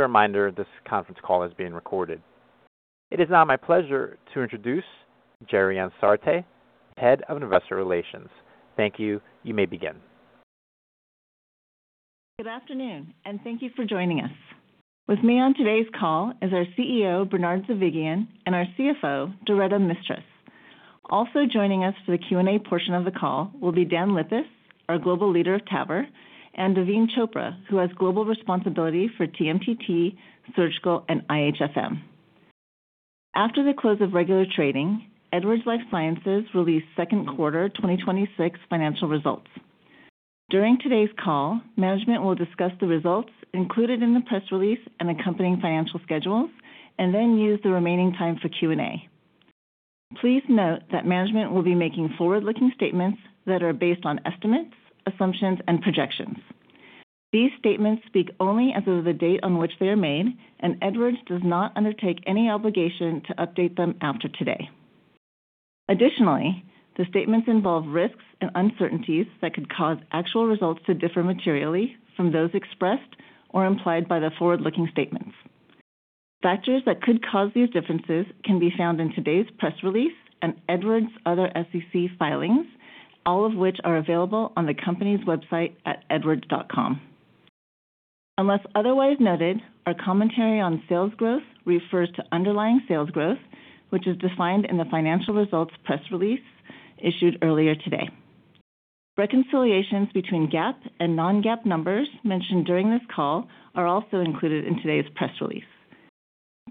As a reminder, this conference call is being recorded. It is now my pleasure to introduce Gerianne Sarte, Head of Investor Relations. Thank you. You may begin. Good afternoon, and thank you for joining us. With me on today's call is our CEO, Bernard Zovighian, and our CFO, Doretta Mistras. Also joining us for the Q&A portion of the call will be Dan Lippis, our global leader of TAVR, and Daveen Chopra, who has global responsibility for TMTT, surgical, and IHFM. After the close of regular trading, Edwards Lifesciences released second quarter 2026 financial results. During today's call, management will discuss the results included in the press release and accompanying financial schedules, and then use the remaining time for Q&A. Please note that management will be making forward-looking statements that are based on estimates, assumptions, and projections. These statements speak only as of the date on which they are made, and Edwards does not undertake any obligation to update them after today. Additionally, the statements involve risks and uncertainties that could cause actual results to differ materially from those expressed or implied by the forward-looking statements. Factors that could cause these differences can be found in today's press release and Edwards' other SEC filings, all of which are available on the company's website at edwards.com. Unless otherwise noted, our commentary on sales growth refers to underlying sales growth, which is defined in the financial results press release issued earlier today. Reconciliations between GAAP and non-GAAP numbers mentioned during this call are also included in today's press release.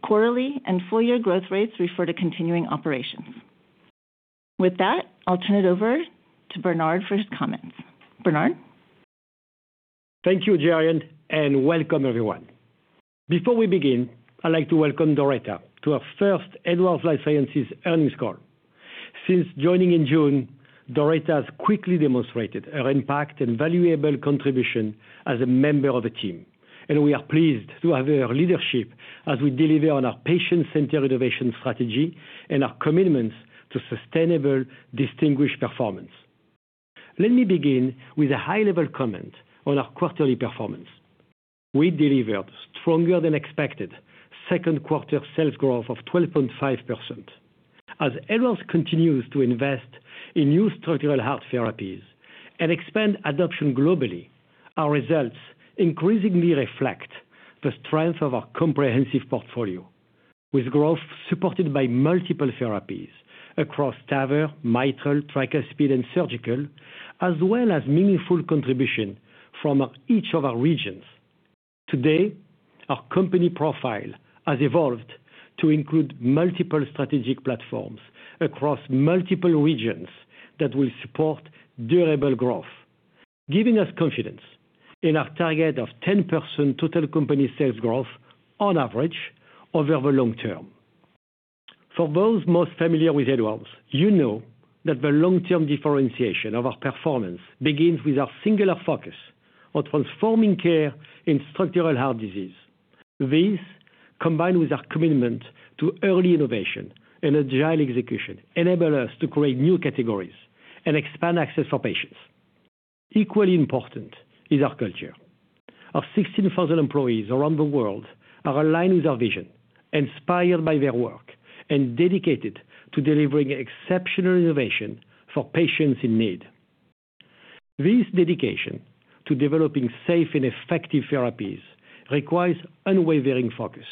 Quarterly and full-year growth rates refer to continuing operations. With that, I'll turn it over to Bernard for his comments. Bernard? Thank you, Gerianne, and welcome everyone. Before we begin, I'd like to welcome Doretta to our first Edwards Lifesciences earnings call. Since joining in June, Doretta has quickly demonstrated her impact and valuable contribution as a member of the team, and we are pleased to have her leadership as we deliver on our patient-centered innovation strategy and our commitments to sustainable, distinguished performance. Let me begin with a high-level comment on our quarterly performance. We delivered stronger than expected second quarter sales growth of 12.5%. As Edwards continues to invest in new structural heart therapies and expand adoption globally, our results increasingly reflect the strength of our comprehensive portfolio, with growth supported by multiple therapies across TAVR, mitral, tricuspid, and surgical, as well as meaningful contribution from each of our regions. Today, our company profile has evolved to include multiple strategic platforms across multiple regions that will support durable growth, giving us confidence in our target of 10% total company sales growth on average over the long term. For those most familiar with Edwards, you know that the long-term differentiation of our performance begins with our singular focus on transforming care in structural heart disease. This, combined with our commitment to early innovation and agile execution, enable us to create new categories and expand access for patients. Equally important is our culture. Our 16,000 employees around the world are aligned with our vision, inspired by their work, and dedicated to delivering exceptional innovation for patients in need. This dedication to developing safe and effective therapies requires unwavering focus,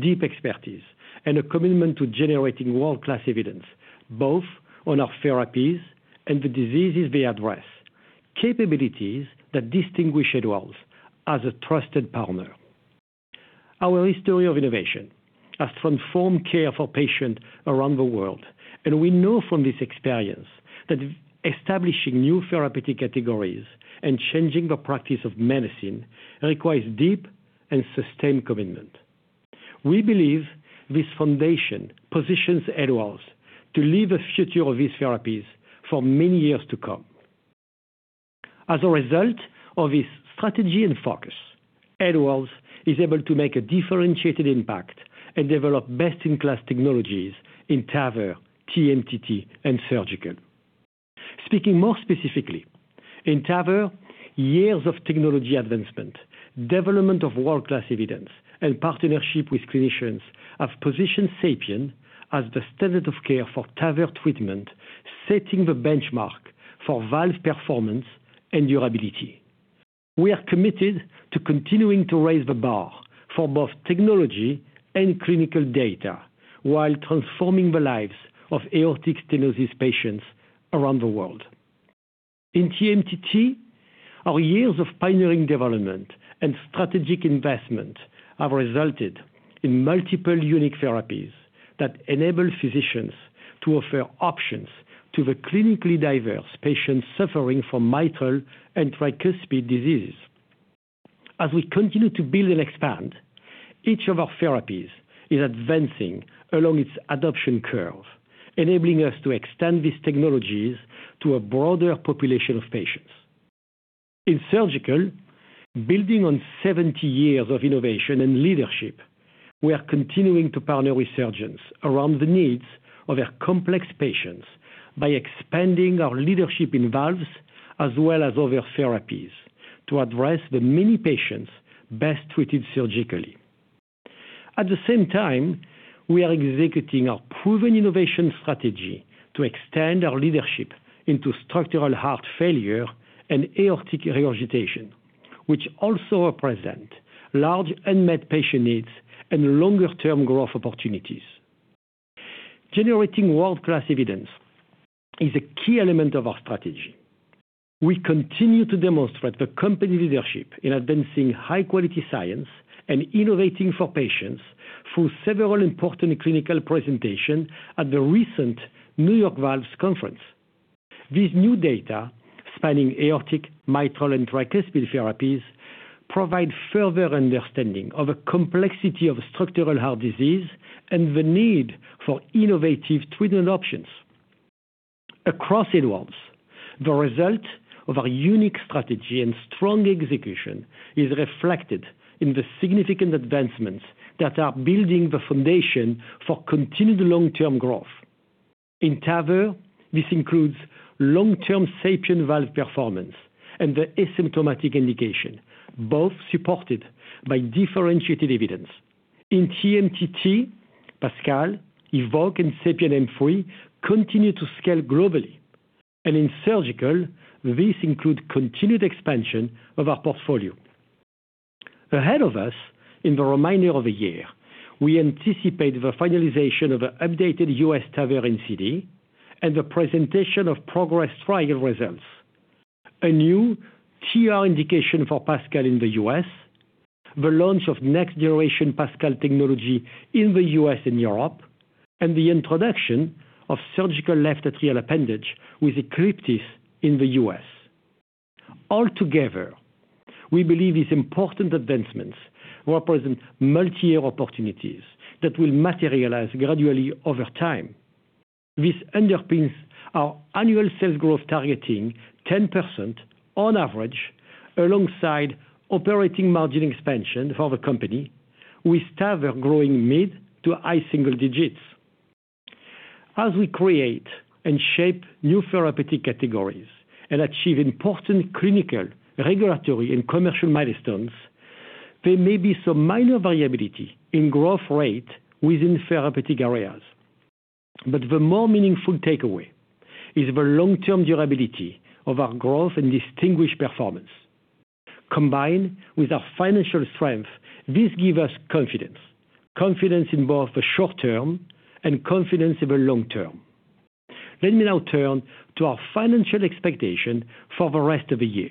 deep expertise, and a commitment to generating world-class evidence both on our therapies and the diseases they address, capabilities that distinguish Edwards as a trusted partner. Our history of innovation has transformed care for patients around the world, and we know from this experience that establishing new therapeutic categories and changing the practice of medicine requires deep and sustained commitment. We believe this foundation positions Edwards to lead the future of these therapies for many years to come. As a result of this strategy and focus, Edwards is able to make a differentiated impact and develop best-in-class technologies in TAVR, TMTT, and surgical. Speaking more specifically, in TAVR, years of technology advancement, development of world-class evidence, and partnership with clinicians have positioned SAPIEN as the standard of care for TAVR treatment, setting the benchmark for valve performance and durability. We are committed to continuing to raise the bar for both technology and clinical data while transforming the lives of aortic stenosis patients around the world. In TMTT, our years of pioneering development and strategic investment have resulted in multiple unique therapies that enable physicians to offer options to the clinically diverse patients suffering from mitral and tricuspid disease. As we continue to build and expand, each of our therapies is advancing along its adoption curve, enabling us to extend these technologies to a broader population of patients. In surgical, building on 70 years of innovation and leadership. We are continuing to partner with surgeons around the needs of their complex patients by expanding our leadership in valves as well as other therapies to address the many patients best treated surgically. At the same time, we are executing our proven innovation strategy to extend our leadership into structural heart failure and aortic regurgitation, which also represent large unmet patient needs and longer-term growth opportunities. Generating world-class evidence is a key element of our strategy. We continue to demonstrate the company leadership in advancing high-quality science and innovating for patients through several important clinical presentation at the recent New York Valves Conference. This new data, spanning aortic, mitral, and tricuspid therapies, provide further understanding of the complexity of structural heart disease and the need for innovative treatment options. Across Edwards, the result of our unique strategy and strong execution is reflected in the significant advancements that are building the foundation for continued long-term growth. In TAVR, this includes long-term SAPIEN valve performance and the asymptomatic indication, both supported by differentiated evidence. In TMTT, PASCAL, EVOQUE, and SAPIEN M3 continue to scale globally. In surgical, this include continued expansion of our portfolio. Ahead of us, in the remainder of the year, we anticipate the finalization of an updated U.S. TAVR NCD and the presentation of PROGRESS trial results. A new CE Mark indication for PASCAL in the U.S., the launch of next-generation PASCAL technology in the U.S. and Europe, and the introduction of surgical left atrial appendage with ECLIPTIS in the U.S. All together, we believe these important advancements represent multi-year opportunities that will materialize gradually over time. This underpins our annual sales growth targeting 10% on average alongside operating margin expansion for the company, with TAVR growing mid- to high single digits. As we create and shape new therapeutic categories and achieve important clinical, regulatory, and commercial milestones, there may be some minor variability in growth rate within therapeutic areas. The more meaningful takeaway is the long-term durability of our growth and distinguished performance. Combined with our financial strength, this give us confidence. Confidence in both the short term and confidence in the long term. Let me now turn to our financial expectation for the rest of the year.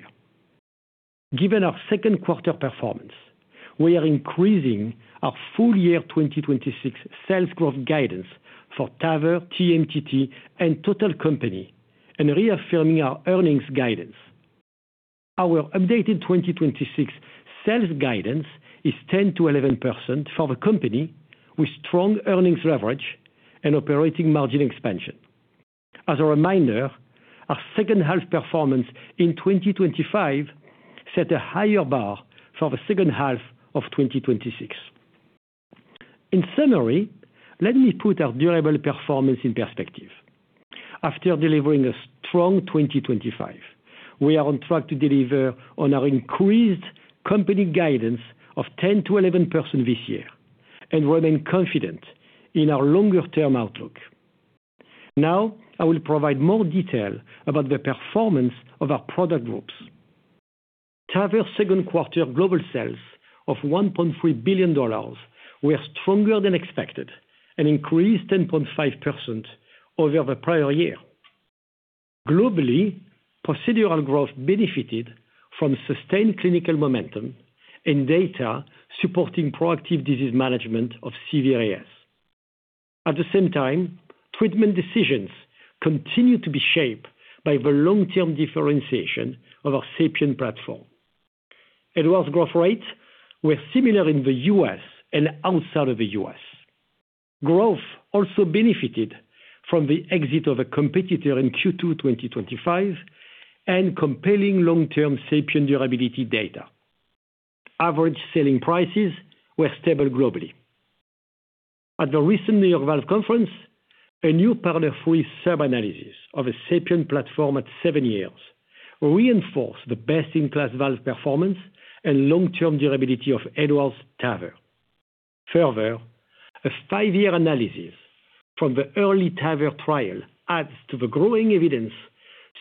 Given our second quarter performance, we are increasing our full year 2026 sales growth guidance for TAVR, TMTT, and total company, and reaffirming our earnings guidance. Our updated 2026 sales guidance is 10%-11% for the company, with strong earnings leverage and operating margin expansion. As a reminder, our second half performance in 2025 set a higher bar for the second half of 2026. In summary, let me put our durable performance in perspective. After delivering a strong 2025, we are on track to deliver on our increased company guidance of 10%-11% this year and remain confident in our longer-term outlook. I will provide more detail about the performance of our product groups. TAVR second quarter global sales of $1.3 billion were stronger than expected and increased 10.5% over the prior year. Globally, procedural growth benefited from sustained clinical momentum and data supporting proactive disease management of severe AS. At the same time, treatment decisions continue to be shaped by the long-term differentiation of our SAPIEN platform. Edwards growth rates were similar in the U.S. and outside of the U.S. Growth also benefited from the exit of a competitor in Q2 2025 and compelling long-term SAPIEN durability data. Average selling prices were stable globally. At the recent New York Valve Conference, a new PARTNER 3 subanalysis of a SAPIEN platform at seven years reinforced the best-in-class valve performance and long-term durability of Edwards TAVR. Further, a five-year analysis from the EARLY TAVR trial adds to the growing evidence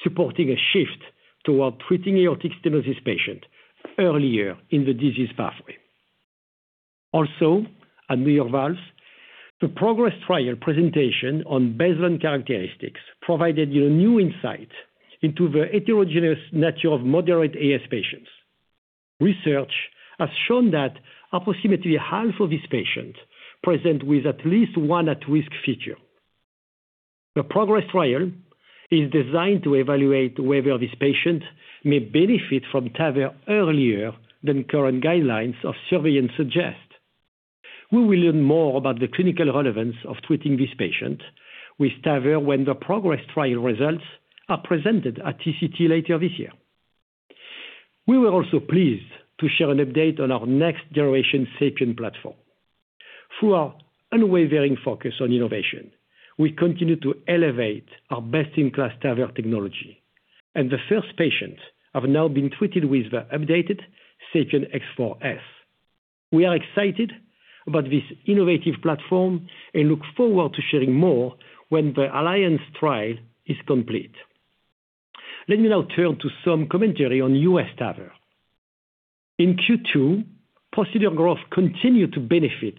supporting a shift toward treating aortic stenosis patient earlier in the disease pathway. Also, at New York Valves, the PROGRESS trial presentation on baseline characteristics provided new insight into the heterogeneous nature of moderate AS patients. Research has shown that approximately half of these patients present with at least one at-risk feature. The PROGRESS trial is designed to evaluate whether these patients may benefit from TAVR earlier than current guidelines of surveillance suggest. We will learn more about the clinical relevance of treating these patient with TAVR when the PROGRESS trial results are presented at TCT later this year. We were also pleased to share an update on our next-generation SAPIEN platform. Through our unwavering focus on innovation, we continue to elevate our best-in-class TAVR technology, and the first patients have now been treated with the updated SAPIEN X4-S. We are excited about this innovative platform and look forward to sharing more when the ALLIANCE trial is complete. Let me now turn to some commentary on U.S. TAVR. In Q2, procedure growth continued to benefit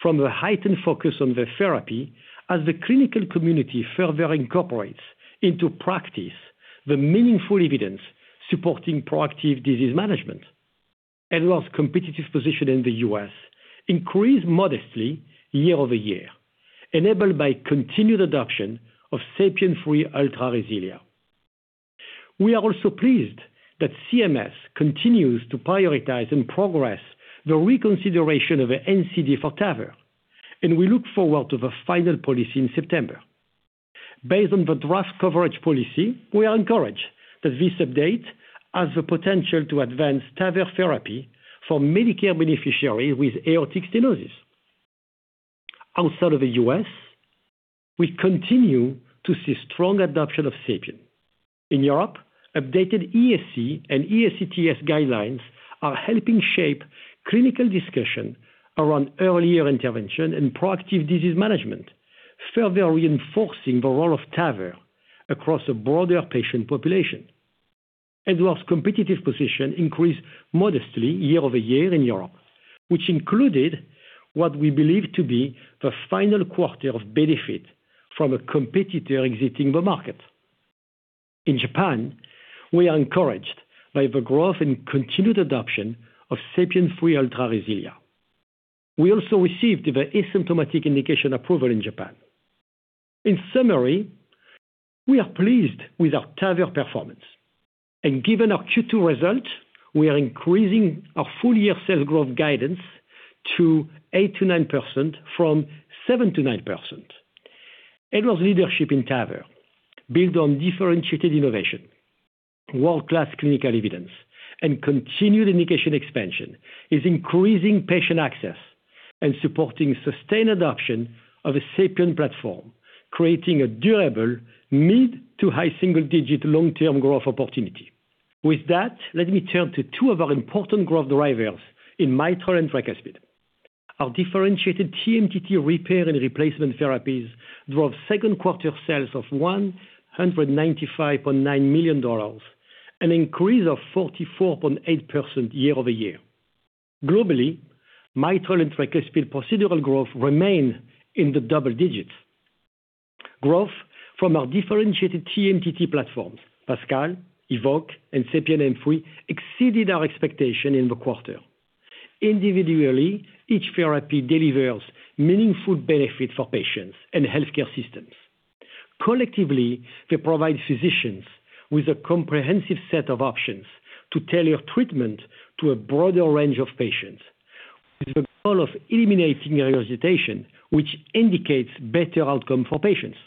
from the heightened focus on the therapy as the clinical community further incorporates into practice the meaningful evidence supporting proactive disease management. Edwards' competitive position in the U.S. increased modestly year-over-year, enabled by continued adoption of SAPIEN 3 Ultra RESILIA. We are also pleased that CMS continues to prioritize and progress the reconsideration of a NCD for TAVR, and we look forward to the final policy in September. Based on the draft coverage policy, we are encouraged that this update has the potential to advance TAVR therapy for Medicare beneficiary with aortic stenosis. Outside of the U.S., we continue to see strong adoption of SAPIEN. In Europe, updated ESC and EACTS guidelines are helping shape clinical discussion around earlier intervention and proactive disease management, further reinforcing the role of TAVR across a broader patient population. Edwards' competitive position increased modestly year-over-year in Europe, which included what we believe to be the final quarter of benefit from a competitor exiting the market. In Japan, we are encouraged by the growth and continued adoption of SAPIEN 3 Ultra RESILIA. We also received the asymptomatic indication approval in Japan. In summary, we are pleased with our TAVR performance, and given our Q2 result, we are increasing our full-year sales growth guidance to 8%-9% from 7%-9%. Edwards' leadership in TAVR build on differentiated innovation, world-class clinical evidence, and continued indication expansion is increasing patient access and supporting sustained adoption of a SAPIEN platform, creating a durable mid to high single-digit long-term growth opportunity. With that, let me turn to two of our important growth drivers in mitral and tricuspid. Our differentiated TMTT repair and replacement therapies drove second quarter sales of $195.9 million, an increase of 44.8% year-over-year. Globally, mitral and tricuspid procedural growth remain in the double digits. Growth from our differentiated TMTT platforms, PASCAL, EVOQUE, and SAPIEN M3 exceeded our expectation in the quarter. Individually, each therapy delivers meaningful benefits for patients and healthcare systems. Collectively, they provide physicians with a comprehensive set of options to tailor treatment to a broader range of patients with the goal of eliminating hesitation, which indicates better outcome for patients.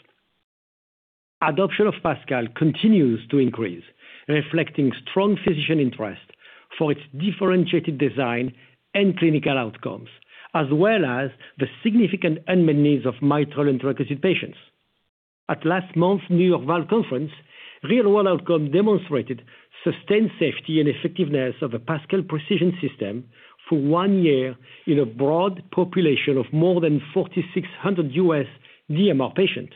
Adoption of PASCAL continues to increase, reflecting strong physician interest for its differentiated design and clinical outcomes, as well as the significant unmet needs of mitral and tricuspid patients. At last month's New York Valve Conference, real-world outcome demonstrated sustained safety and effectiveness of a PASCAL Precision system for one year in a broad population of more than 4,600 U.S. DMR patients.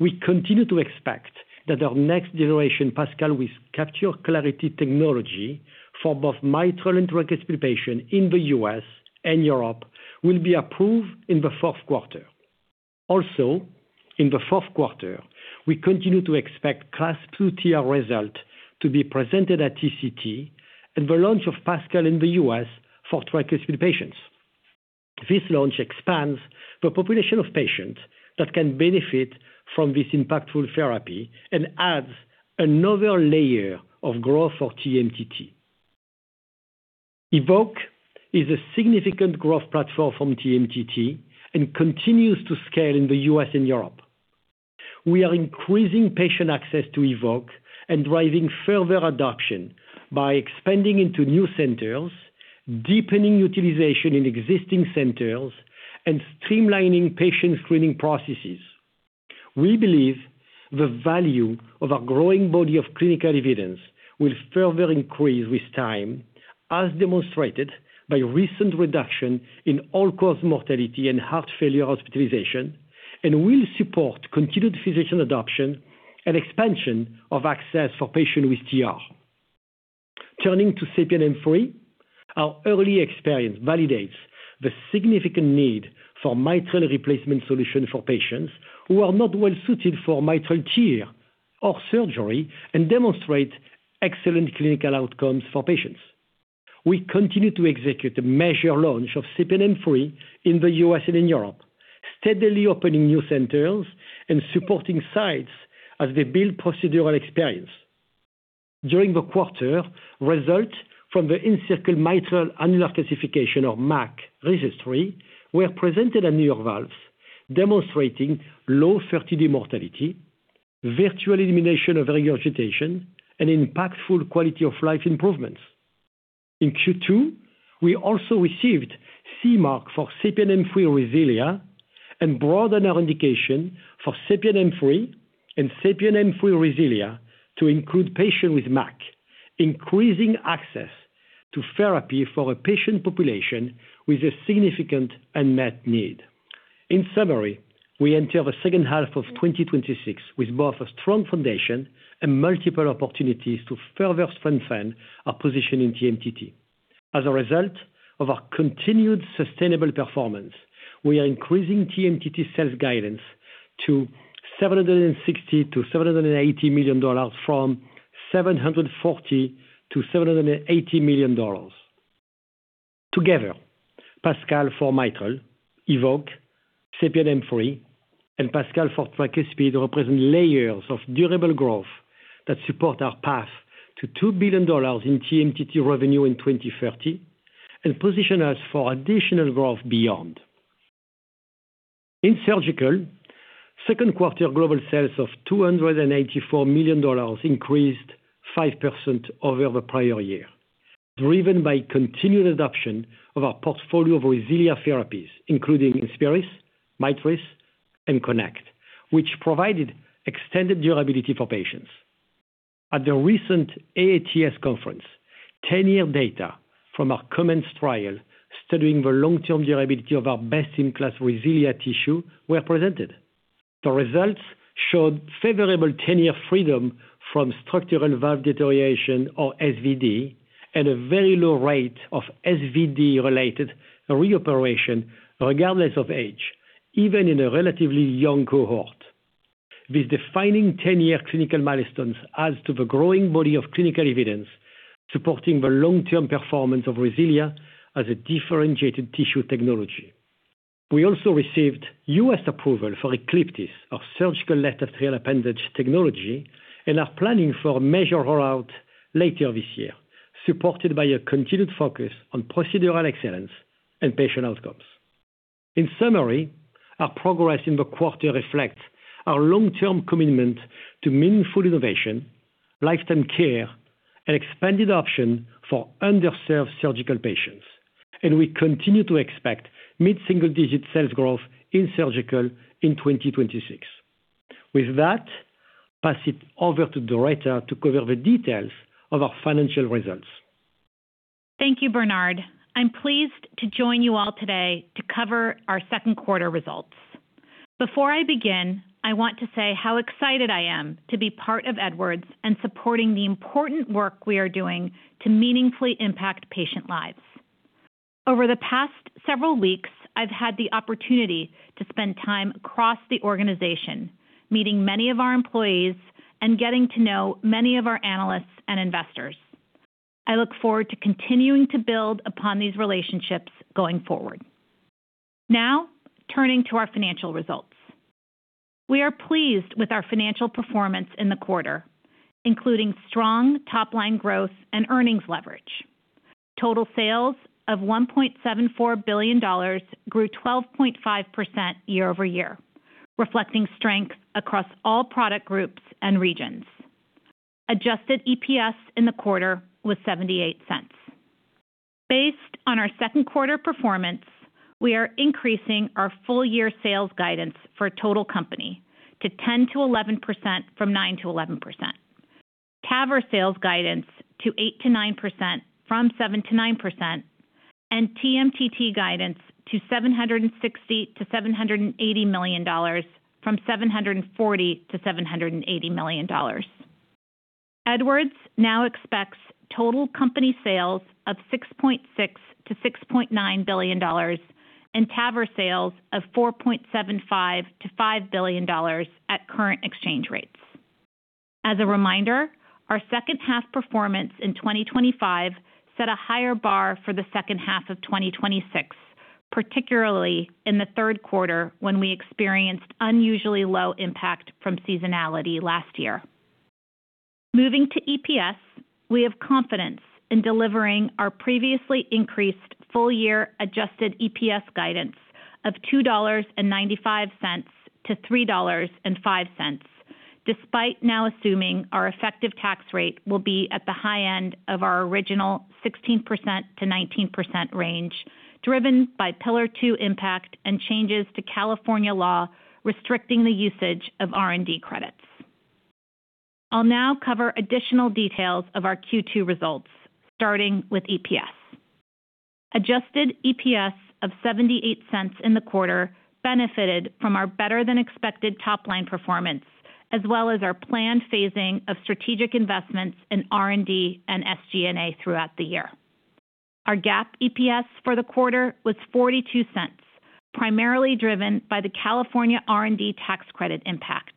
We continue to expect that our next-generation PASCAL with Capture Clarity technology for both mitral and tricuspid patient in the U.S. and Europe will be approved in the fourth quarter. Also, in the fourth quarter, we continue to expect CLASP II TR result to be presented at TCT, and the launch of PASCAL in the U.S. for tricuspid patients. This launch expands the population of patients that can benefit from this impactful therapy and adds another layer of growth for TMTT. EVOQUE is a significant growth platform from TMTT and continues to scale in the U.S. and Europe. We are increasing patient access to EVOQUE and driving further adoption by expanding into new centers, deepening utilization in existing centers, and streamlining patient screening processes. We believe the value of our growing body of clinical evidence will further increase with time, as demonstrated by recent reduction in all-cause mortality and heart failure hospitalization, and will support continued physician adoption and expansion of access for patients with TR. Turning to SAPIEN M3, our early experience validates the significant need for mitral replacement solution for patients who are not well suited for mitral repair or surgery and demonstrate excellent clinical outcomes for patients. We continue to execute a measured launch of SAPIEN M3 in the U.S. and in Europe, steadily opening new centers and supporting sites as they build procedural experience. During the quarter, result from the ENCIRCLE Mitral Annular Calcification of MAC registry were presented at New York Valves: The Structural Heart Summit demonstrating low 30-day mortality, virtual elimination of regurgitation, and impactful quality-of-life improvements. In Q2, we also received CE Mark for SAPIEN M3 RESILIA and broadened our indication for SAPIEN M3 and SAPIEN M3 RESILIA to include patients with MAC, increasing access to therapy for a patient population with a significant unmet need. In summary, we enter the second half of 2026 with both a strong foundation and multiple opportunities to further strengthen our position in TMTT. As a result of our continued sustainable performance, we are increasing TMTT sales guidance to $760 million-$780 million from $740 million to $780 million. Together, PASCAL for mitral, EVOQUE, SAPIEN M3, and PASCAL for tricuspid represent layers of durable growth that support our path to $2 billion in TMTT revenue in 2030 and position us for additional growth beyond. In surgical, second quarter global sales of $284 million increased 5% over the prior year, driven by continued adoption of our portfolio of RESILIA therapies, including INSPIRIS, MITRIS, and KONECT, which provided extended durability for patients. At the recent AATS conference, 10-year data from our COMMENCE trial studying the long-term durability of our best-in-class RESILIA tissue were presented. The results showed favorable 10-year freedom from structural valve deterioration, or SVD, and a very low rate of SVD-related reoperation regardless of age, even in a relatively young cohort. These defining 10-year clinical milestones add to the growing body of clinical evidence supporting the long-term performance of RESILIA as a differentiated tissue technology. We also received U.S. approval for ECLIPTIS, our surgical left atrial appendage technology, and are planning for a measured rollout later this year, supported by a continued focus on procedural excellence and patient outcomes. In summary, our progress in the quarter reflects our long-term commitment to meaningful innovation, lifetime care, and expanded options for underserved surgical patients, and we continue to expect mid-single-digit sales growth in surgical in 2026. With that, I'll pass it over to Doretta to cover the details of our financial results. Thank you, Bernard. I'm pleased to join you all today to cover our second quarter results. Before I begin, I want to say how excited I am to be part of Edwards and supporting the important work we are doing to meaningfully impact patient lives. Over the past several weeks, I've had the opportunity to spend time across the organization, meeting many of our employees and getting to know many of our analysts and investors. I look forward to continuing to build upon these relationships going forward. Turning to our financial results. We are pleased with our financial performance in the quarter, including strong top-line growth and earnings leverage. Total sales of $1.74 billion grew 12.5% year-over-year, reflecting strength across all product groups and regions. Adjusted EPS in the quarter was $0.78. Based on our second quarter performance, we are increasing our full-year sales guidance for total company to 10%-11% from 9%-11%, TAVR sales guidance to 8%-9% from 7%-9%, and TMTT guidance to $760 million-$780 million from $740 million to $780 million. Edwards now expects total company sales of $6.6 billion-$6.9 billion and TAVR sales of $4.75 billion-$5 billion at current exchange rates. As a reminder, our second half performance in 2025 set a higher bar for the second half of 2026, particularly in the third quarter when we experienced unusually low impact from seasonality last year. Moving to EPS, we have confidence in delivering our previously increased full-year adjusted EPS guidance of $2.95-$3.05, despite now assuming our effective tax rate will be at the high end of our original 16%-19% range, driven by Pillar Two impact and changes to California law restricting the usage of R&D credits. I'll now cover additional details of our Q2 results, starting with EPS. Adjusted EPS of $0.78 in the quarter benefited from our better-than-expected top-line performance, as well as our planned phasing of strategic investments in R&D and SG&A throughout the year. Our GAAP EPS for the quarter was $0.42, primarily driven by the California R&D tax credit impact.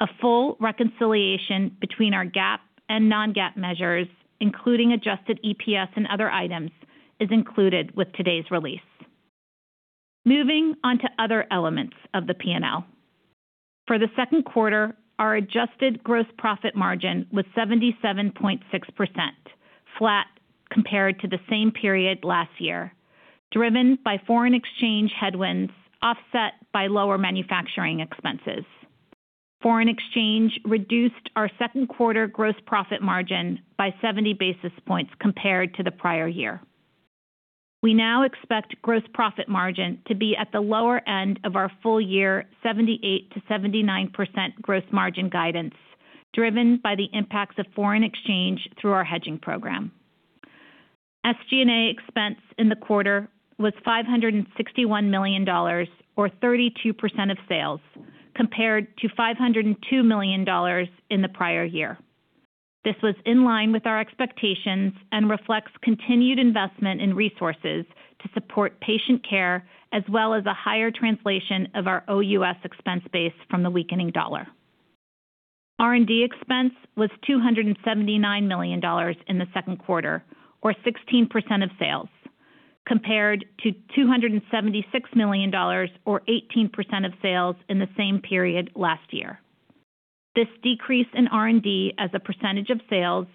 A full reconciliation between our GAAP and non-GAAP measures, including adjusted EPS and other items, is included with today's release. Moving on to other elements of the P&L. For the second quarter, our adjusted gross profit margin was 77.6%, flat compared to the same period last year, driven by foreign exchange headwinds offset by lower manufacturing expenses. Foreign exchange reduced our second quarter gross profit margin by 70 basis points compared to the prior year. We now expect gross profit margin to be at the lower end of our full year 78%-79% gross margin guidance, driven by the impacts of foreign exchange through our hedging program. SG&A expense in the quarter was $561 million, or 32% of sales, compared to $502 million in the prior year. This was in line with our expectations and reflects continued investment in resources to support patient care, as well as a higher translation of our OUS expense base from the weakening dollar. R&D expense was $279 million in the second quarter, or 16% of sales, compared to $276 million or 18% of sales in the same period last year. This decrease in R&D as a percentage of sales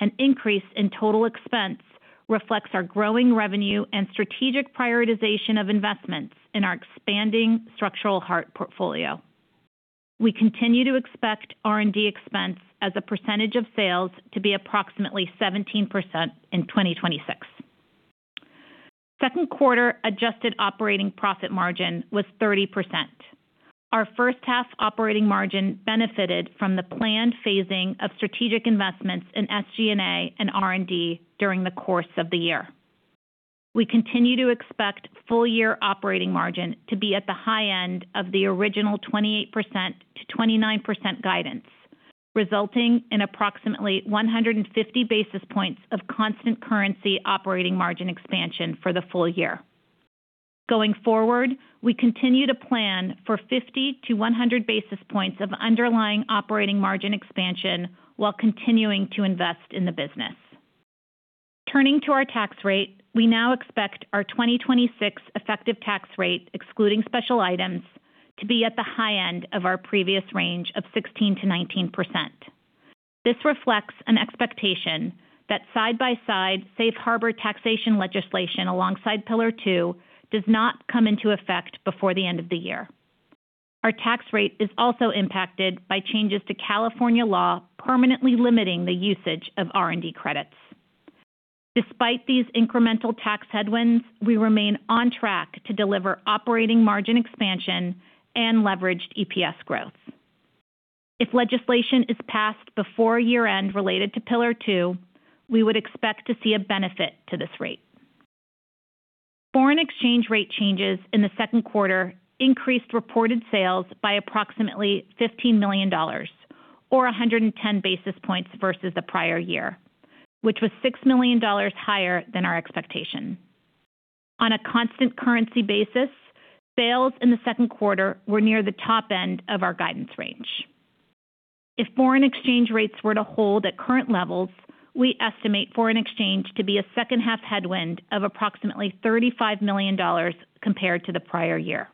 and increase in total expense reflects our growing revenue and strategic prioritization of investments in our expanding structural heart portfolio. We continue to expect R&D expense as a percentage of sales to be approximately 17% in 2026. Second quarter adjusted operating profit margin was 30%. Our first half operating margin benefited from the planned phasing of strategic investments in SG&A and R&D during the course of the year. We continue to expect full-year operating margin to be at the high end of the original 28%-29% guidance, resulting in approximately 150 basis points of constant currency operating margin expansion for the full year. Going forward, we continue to plan for 50 to 100 basis points of underlying operating margin expansion while continuing to invest in the business. Turning to our tax rate, we now expect our 2026 effective tax rate, excluding special items, to be at the high end of our previous range of 16%-19%. This reflects an expectation that side-by-side safe harbor taxation legislation alongside Pillar Two does not come into effect before the end of the year. Our tax rate is also impacted by changes to California law permanently limiting the usage of R&D credits. Despite these incremental tax headwinds, we remain on track to deliver operating margin expansion and leveraged EPS growth. If legislation is passed before year-end related to Pillar Two, we would expect to see a benefit to this rate. Foreign exchange rate changes in the second quarter increased reported sales by approximately $15 million, or 110 basis points versus the prior year, which was $6 million higher than our expectation. On a constant currency basis, sales in the second quarter were near the top end of our guidance range. If foreign exchange rates were to hold at current levels, we estimate foreign exchange to be a second half headwind of approximately $35 million compared to the prior year.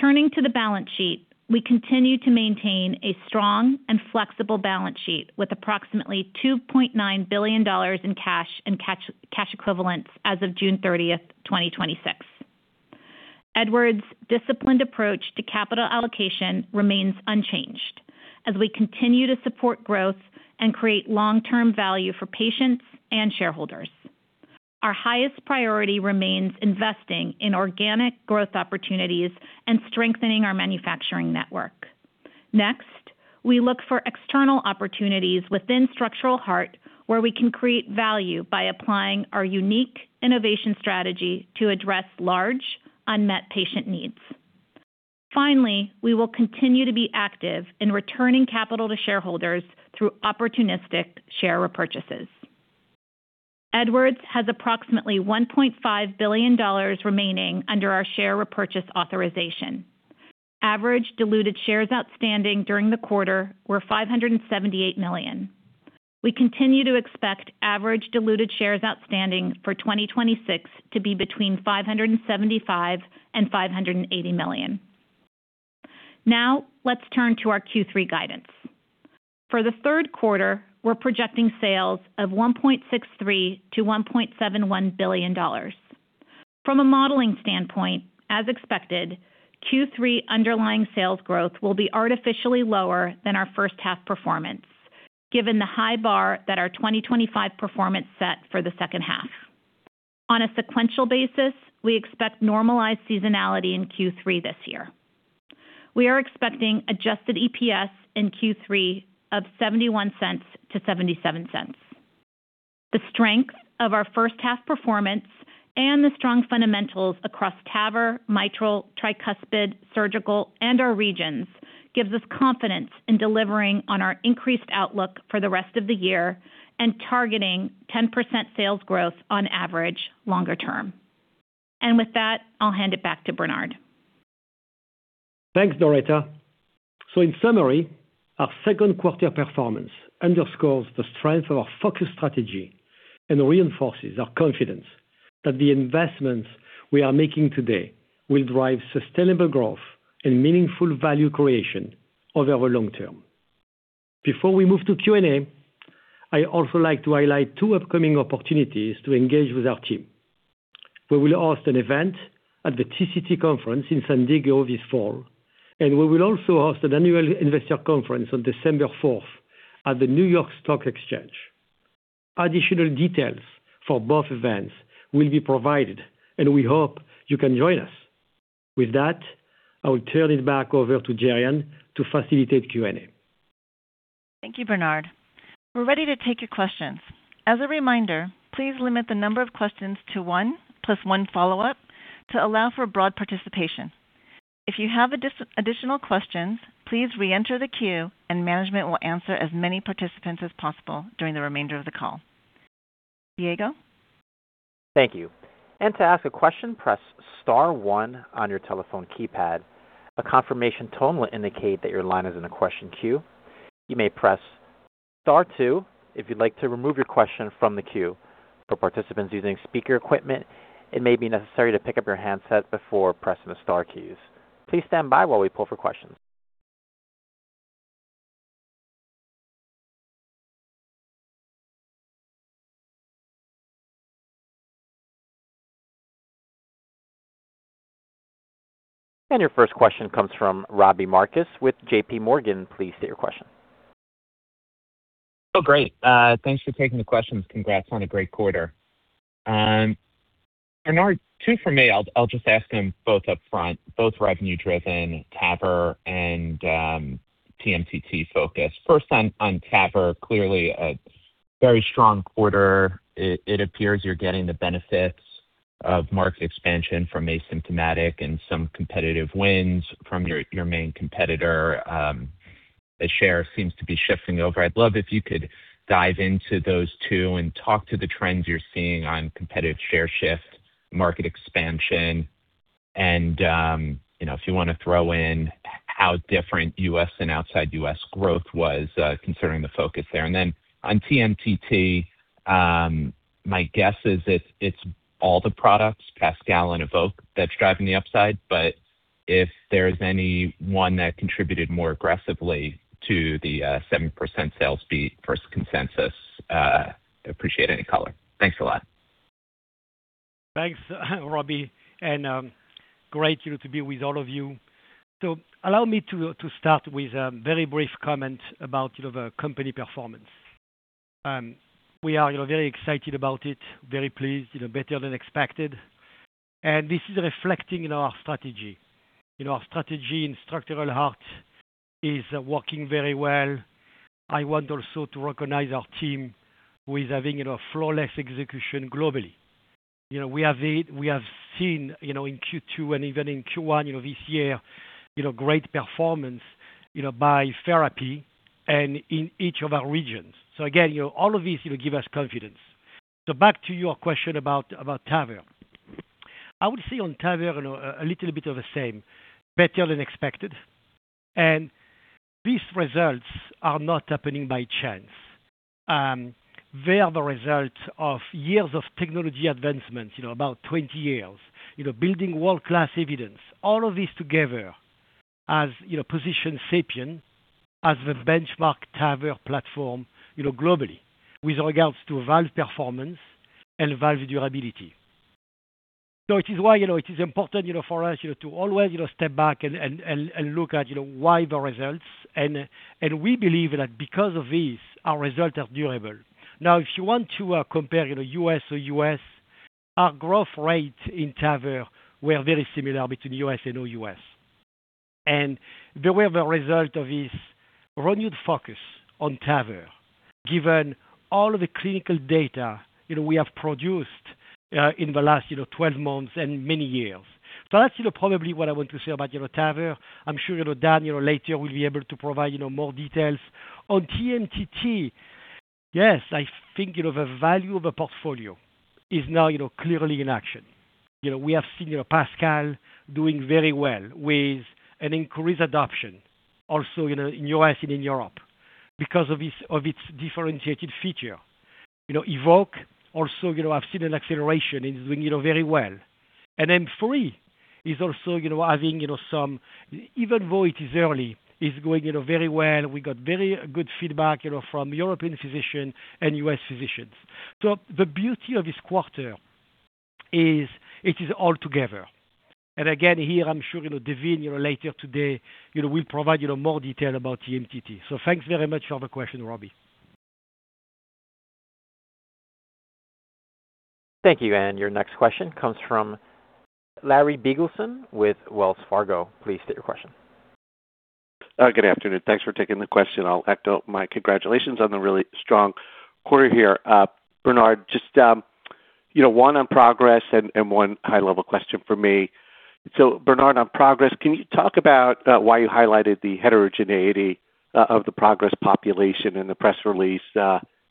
Turning to the balance sheet, we continue to maintain a strong and flexible balance sheet with approximately $2.9 billion in cash and cash equivalents as of June 30th, 2026. Edwards' disciplined approach to capital allocation remains unchanged as we continue to support growth and create long-term value for patients and shareholders. Our highest priority remains investing in organic growth opportunities and strengthening our manufacturing network. We look for external opportunities within structural heart, where we can create value by applying our unique innovation strategy to address large unmet patient needs. We will continue to be active in returning capital to shareholders through opportunistic share repurchases. Edwards has approximately $1.5 billion remaining under our share repurchase authorization. Average diluted shares outstanding during the quarter were 578 million. We continue to expect average diluted shares outstanding for 2026 to be between 575 and 580 million. Let's turn to our Q3 guidance. For the third quarter, we're projecting sales of $1.63 billion-$1.71 billion. From a modeling standpoint, as expected, Q3 underlying sales growth will be artificially lower than our first half performance, given the high bar that our 2025 performance set for the second half. On a sequential basis, we expect normalized seasonality in Q3 this year. We are expecting adjusted EPS in Q3 of $0.71-$0.77. The strength of our first half performance and the strong fundamentals across TAVR, mitral, tricuspid, surgical, and our regions gives us confidence in delivering on our increased outlook for the rest of the year and targeting 10% sales growth on average longer term. With that, I'll hand it back to Bernard. Thanks, Doretta. In summary, our second quarter performance underscores the strength of our focused strategy and reinforces our confidence that the investments we are making today will drive sustainable growth and meaningful value creation over the long term. Before we move to Q&A, I also like to highlight two upcoming opportunities to engage with our team. We will host an event at the TCT conference in San Diego this fall. We will also host an annual investor conference on December 4th at the New York Stock Exchange. Additional details for both events will be provided. We hope you can join us. With that, I will turn it back over to Gerianne to facilitate Q&A. Thank you, Bernard. We're ready to take your questions. As a reminder, please limit the number of questions to one, plus one follow-up to allow for broad participation. If you have additional questions, please reenter the queue and management will answer as many participants as possible during the remainder of the call. Diego. Thank you. To ask a question, press star one on your telephone keypad. A confirmation tone will indicate that your line is in a question queue. You may press star two if you'd like to remove your question from the queue. For participants using speaker equipment, it may be necessary to pick up your handset before pressing the star keys. Please stand by while we pull for questions. Your first question comes from Robbie Marcus with JPMorgan. Please state your question. Oh, great. Thanks for taking the questions. Congrats on a great quarter. Bernard, two from me, I'll just ask them both upfront, both revenue-driven, TAVR and TMTT focused. First on TAVR, clearly a very strong quarter. It appears you're getting the benefits of market expansion from asymptomatic and some competitive wins from your main competitor. The share seems to be shifting over. I'd love if you could dive into those two and talk to the trends you're seeing on competitive share shift, market expansion, and, if you want to throw in how different U.S. and OUS growth was, considering the focus there. On TMTT, my guess is it's all the products, PASCAL and EVOQUE, that's driving the upside. If there's any one that contributed more aggressively to the 7% sales beat versus consensus, appreciate any color. Thanks a lot. Thanks, Robbie, and great to be with all of you. Allow me to start with a very brief comment about the company performance. We are very excited about it, very pleased, better than expected. This is reflecting in our strategy. Our strategy in structural heart is working very well. I want also to recognize our team who is having flawless execution globally. We have seen in Q2 and even in Q1 this year, great performance by therapy and in each of our regions. Again, all of this give us confidence. Back to your question about TAVR. I would say on TAVR, a little bit of the same. Better than expected. These results are not happening by chance. They are the result of years of technology advancement, about 20 years, building world-class evidence. All of this together has positioned SAPIEN as the benchmark TAVR platform globally with regards to valve performance and valve durability. It is why it is important for us to always step back and look at why the results, and we believe that because of this, our results are durable. If you want to compare U.S. or OUS, our growth rate in TAVR were very similar between U.S. and OUS. They were the result of this renewed focus on TAVR, given all of the clinical data we have produced in the last 12 months and many years. That's probably what I want to say about TAVR. I'm sure Dan later will be able to provide more details. On TMTT, yes, I think the value of a portfolio is now clearly in action. We have seen PASCAL doing very well with an increased adoption also in U.S. and in Europe because of its differentiated feature. EVOQUE also I've seen an acceleration, and it's doing very well. M3 is also having some, even though it is early, is going very well. We got very good feedback from European physicians and U.S. physicians. The beauty of this quarter is it is all together. Again, here I'm sure Daveen later today will provide more detail about TMTT. Thanks very much for the question, Robbie. Thank you. Your next question comes from Larry Biegelsen with Wells Fargo. Please state your question. Good afternoon. Thanks for taking the question. I'll echo my congratulations on the really strong quarter here. Bernard, just one on PROGRESS and one high-level question from me. Bernard, on PROGRESS, can you talk about why you highlighted the heterogeneity of the PROGRESS population in the press release,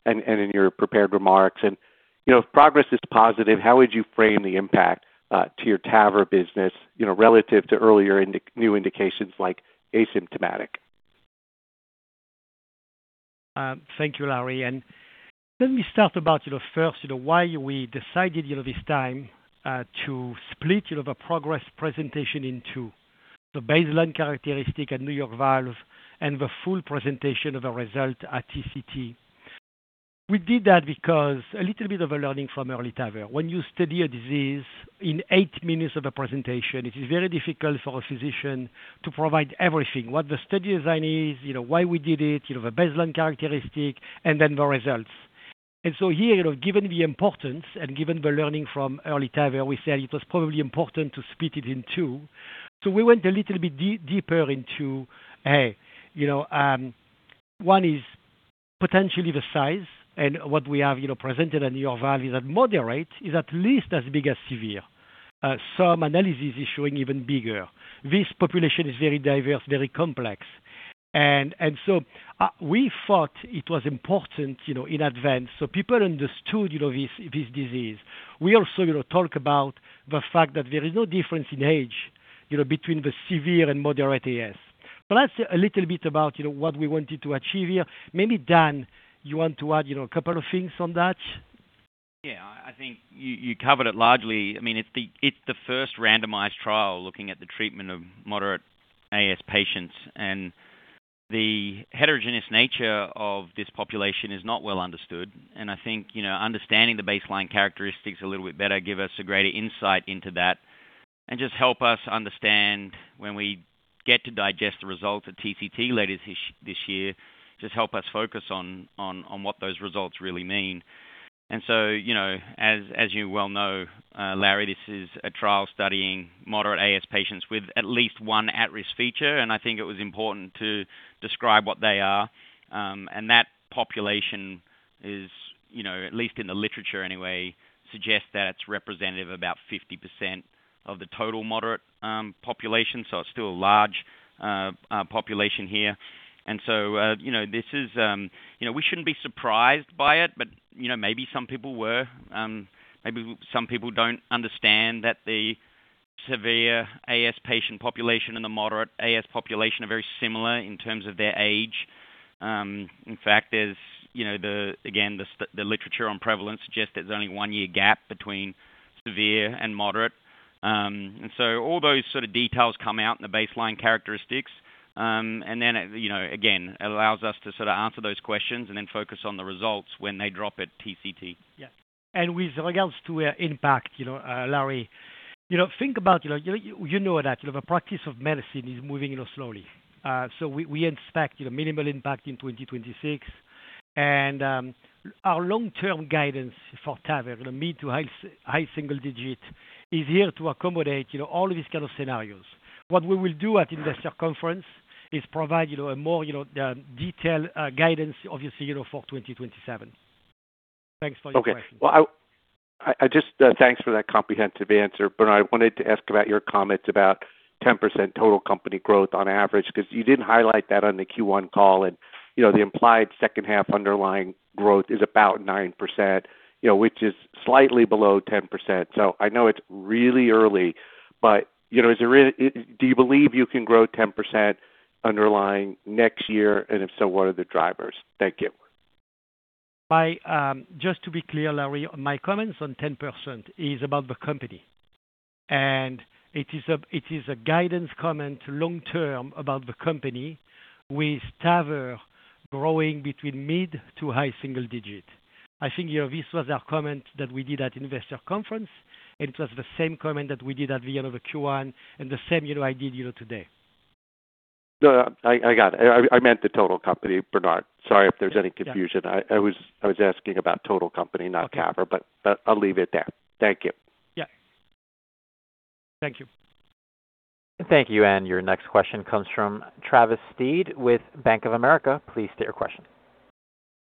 in your prepared remarks. If PROGRESS is positive, how would you frame the impact to your TAVR business, relative to earlier new indications like asymptomatic? Thank you, Larry. Let me start about first, why we decided this time to split the PROGRESS presentation in two. The baseline characteristic at New York Valves and the full presentation of the result at TCT. We did that because a little bit of a learning from EARLY TAVR. When you study a disease in eight minutes of a presentation, it is very difficult for a physician to provide everything, what the study design is, why we did it, the baseline characteristic, and then the results. Here, given the importance and given the learning from EARLY TAVR, we said it was probably important to split it in two. We went a little bit deeper into, A, one is potentially the size and what we have presented at New York Valves is that moderate is at least as big as severe. Some analysis is showing even bigger. This population is very diverse, very complex. We thought it was important in advance so people understood this disease. We also talk about the fact that there is no difference in age between the severe and moderate AS. That's a little bit about what we wanted to achieve here. Maybe Dan, you want to add a couple of things on that? Yeah, I think you covered it largely. It's the first randomized trial looking at the treatment of moderate AS patients. The heterogeneous nature of this population is not well understood. I think understanding the baseline characteristics a little bit better give us a greater insight into that and just help us understand when we get to digest the results at TCT later this year, just help us focus on what those results really mean. As you well know, Larry, this is a trial studying moderate AS patients with at least one at-risk feature, and I think it was important to describe what they are. That population is, at least in the literature anyway, suggests that it's representative of about 50% of the total moderate population. It's still a large population here. We shouldn't be surprised by it, but maybe some people were. Maybe some people don't understand that the severe AS patient population and the moderate AS population are very similar in terms of their age. In fact, again, the literature on prevalence suggests there's only one year gap between severe and moderate. All those sort of details come out in the baseline characteristics. Then, again, it allows us to sort of answer those questions and then focus on the results when they drop at TCT. Yeah. With regards to impact, Larry, think about it. You know that the practice of medicine is moving slowly. We expect minimal impact in 2026. Our long-term guidance for TAVR, mid to high single digit, is here to accommodate all of these kind of scenarios. What we will do at investor conference is provide a more detailed guidance, obviously, for 2027. Thanks for your question. Okay. Thanks for that comprehensive answer. Bernard, I wanted to ask about your comments about 10% total company growth on average, because you didn't highlight that on the Q1 call. The implied second half underlying growth is about 9%, which is slightly below 10%. I know it's really early, but do you believe you can grow 10% underlying next year? If so, what are the drivers? Thank you. Just to be clear, Larry, my comments on 10% is about the company. It is a guidance comment long-term about the company with TAVR growing between mid to high single digit. I think this was our comment that we did at investor conference. It was the same comment that we did at the end of the Q1 and the same I did today. No, I got it. I meant the total company, Bernard. Sorry if there's any confusion. Yeah. I was asking about total company, not TAVR. Okay. I'll leave it there. Thank you. Yeah. Thank you. Thank you. Your next question comes from Travis Steed with Bank of America. Please state your question.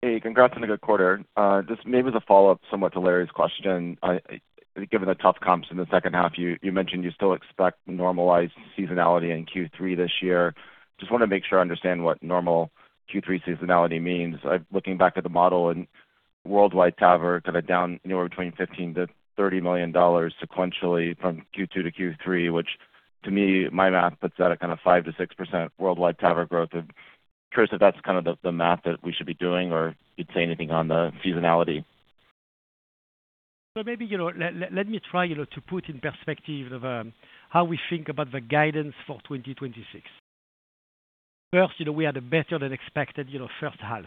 Hey, congrats on a good quarter. Just maybe to follow up somewhat to Larry's question. Given the tough comps in the second half, you mentioned you still expect normalized seasonality in Q3 this year. Just want to make sure I understand what normal Q3 seasonality means. Looking back at the model and worldwide TAVR kind of down anywhere between $15 million to $30 million sequentially from Q2 to Q3, which to me, my math puts that at kind of 5%-6% worldwide TAVR growth. I'm curious if that's kind of the math that we should be doing or if you'd say anything on the seasonality. Maybe let me try to put in perspective how we think about the guidance for 2026. First, we had a better than expected first half,